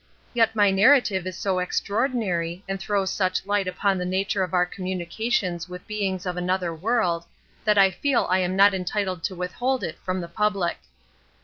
Yet my narrative is so extraordinary and throws such light upon the nature of our communications with beings of another world, that I feel I am not entitled to withhold it from the public.